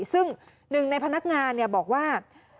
ซึ่งหนึ่งในพนักงานบอกว่า